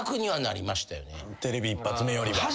テレビ一発目よりは。